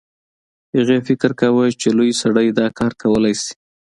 هغې فکر کاوه چې لوی سړی دا کار کولی شي